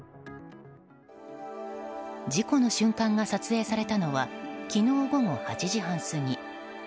事故の瞬間が撮影されたのは昨日午後８時半過ぎ。